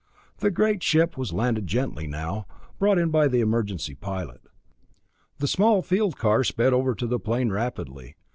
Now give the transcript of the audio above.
The great ship was landing gently now, brought in by the emergency pilot. The small field car sped over to the plane rapidly.